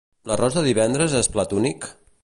L'arròs de divendres és plat únic?